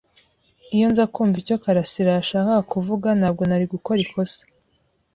Iyo nza kumva icyo karasira yashakaga kuvuga, ntabwo nari gukora ikosa.